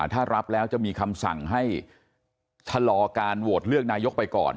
ถ้ารับแล้วจะมีคำสั่งให้ชะลอการโหวตเลือกนายกไปก่อน